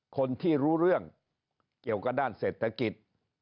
คนที่รู้เรื่องเกี่ยวกับด้านเศรษฐกิจ